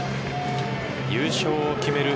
優勝を決める